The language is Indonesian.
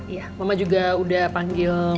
iya mama juga udah panggil